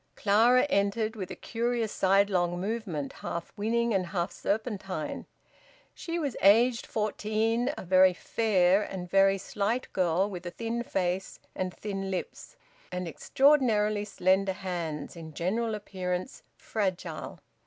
Clara entered, with a curious sidelong movement, half winning and half serpentine. She was aged fourteen, a very fair and very slight girl, with a thin face and thin lips, and extraordinarily slender hands; in general appearance fragile.